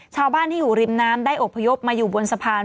ชาวบ้านที่อยู่ริมน้ำได้อบพยพมาอยู่บนสะพาน